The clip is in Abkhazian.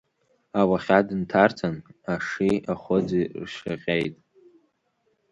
Ауахьад нҭарҵан, аши ахәыӡи ршьаҟьеит.